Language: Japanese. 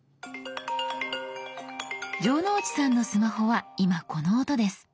城之内さんのスマホは今この音です。